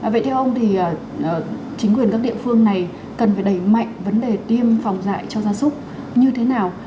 vậy theo ông thì chính quyền các địa phương này cần phải đẩy mạnh vấn đề tiêm phòng dạy cho gia súc như thế nào